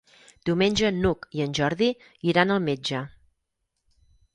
Diumenge n'Hug i en Jordi iran al metge.